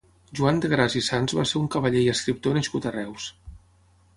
Joan de Gras i Sans va ser un cavaller i escriptor nascut a Reus.